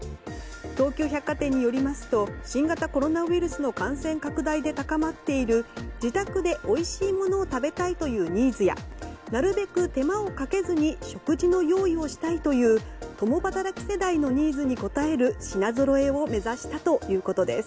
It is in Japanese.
東急百貨店によりますと新型コロナウイルスの感染拡大で高まっている自宅でおいしいものを食べたいというニーズやなるべく手間をかけずに食事の用意をしたいという共働き世代のニーズに応える品ぞろえを目指したということです。